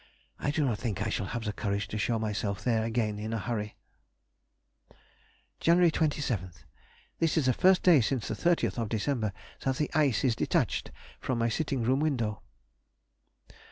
I do not think I shall have the courage to show myself there again in a hurry. Jan. 27th.—This is the first day since the 30th December that the ice is detached from my sitting room window.